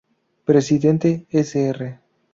Presidente; Sr.